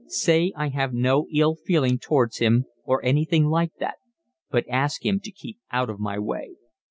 Say I have no ill feeling towards him or anything like that, but ask him to keep out of my way."